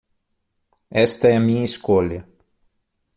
Esta é a minha escolha